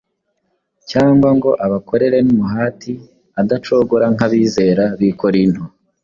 cyangwa ngo abakorere n’umuhati adacogora nk’abizera b’i Korinto.